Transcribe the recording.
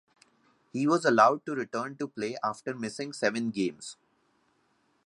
He was allowed to return to play after missing seven games.